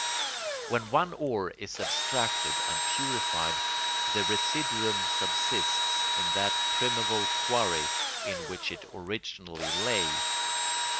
When one ore is abstracted and purified, the residuum subsists in that primeval quarry in which it originally lay.